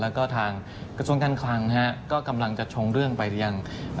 แล้วก็ทางกระทรวงการคลังก็กำลังจะชงเรื่องไปยัง